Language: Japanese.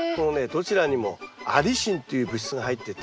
どちらにもアリシンという物質が入ってて。